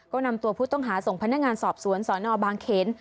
ก็นำตัวผู้ต้องหาส่งพนักงานสอบสวนสนบางเขน